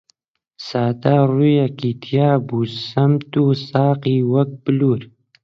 سادە ڕووویەکی تیا بوو، سمت و ساقی وەک بلوور